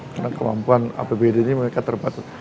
karena kemampuan apbd ini mereka terbatas